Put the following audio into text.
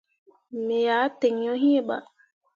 Me ah tǝǝ yo iŋ bah.